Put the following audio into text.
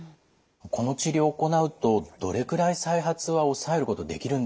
この治療を行うとどれくらい再発は抑えることできるんでしょうか？